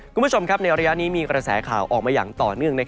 คุณผู้ชมครับในระยะนี้มีกระแสข่าวออกมาอย่างต่อเนื่อง